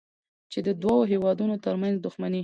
چې د دوو هېوادونو ترمنځ دوښمني